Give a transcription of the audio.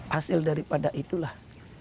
hasil daripada itulah